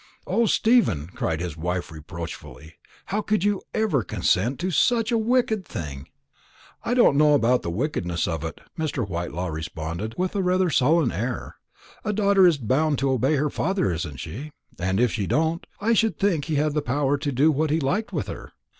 '" "O, Stephen!" cried his wife reproachfully, "how could you ever consent to such a wicked thing?" "I don't know about the wickedness of it," Mr. Whitelaw responded, with rather a sullen air; "a daughter is bound to obey her father, isn't she? and if she don't, I should think he had the power to do what he liked with her.